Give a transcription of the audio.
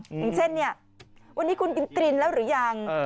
อย่างเช่นเนี่ยวันนี้คุณกินตรินแล้วหรือยัง